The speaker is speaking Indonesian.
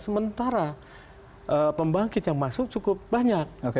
sementara pembangkit yang masuk cukup banyak